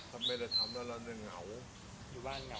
ทำไมเราทำแล้วเราจะเหงาอยู่บ้านเหงา